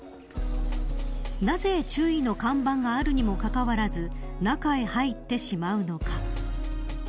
なぜ注意の看板があるにもかかわらず中へ入ってしまうのか。